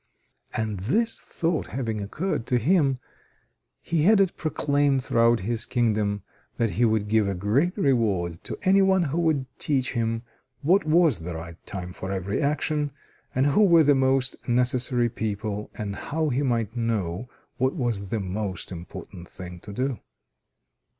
And this thought having occurred to him, he had it proclaimed throughout his kingdom that he would give a great reward to any one who would teach him what was the right time for every action, and who were the most necessary people, and how he might know what was the most important thing to do.